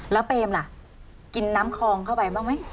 แล้วเปมล่ะกินน้ำคลองเข้าไปบ้างไหม